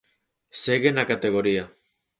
Segue na categoría.